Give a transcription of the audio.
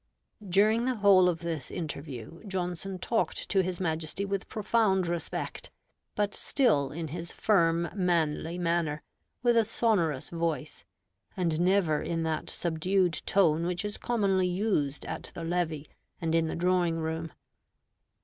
During the whole of this interview, Johnson talked to his Majesty with profound respect, but still in his firm, manly manner, with a sonorous voice, and never in that subdued tone which is commonly used at the levee and in the drawing room.